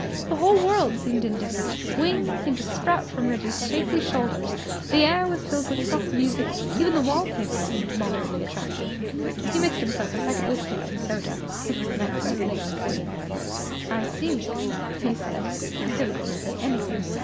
The whole world seemed different. Wings seemed to sprout from Reggie's shapely shoulders. The air was filled with soft music. Even the wallpaper seemed moderately attractive. He mixed himself a second whisky and soda. It was the next best thing to singing. "I see," he said. It was difficult to say anything.